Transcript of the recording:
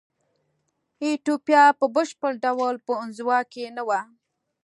ایتوپیا په بشپړ ډول په انزوا کې نه وه.